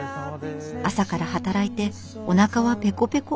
朝から働いておなかはペコペコ。